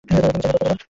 তুমি চাইলে করতে পারো।